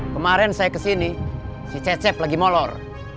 kemarin saya kesini si cecep lagi molor